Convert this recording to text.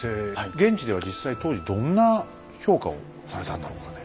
現地では実際当時どんな評価をされたんだろうかね。